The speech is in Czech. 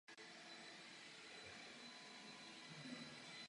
Do současnosti se dochovaly pouze ruiny stavení.